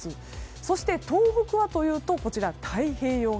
そして、東北というと太平洋側。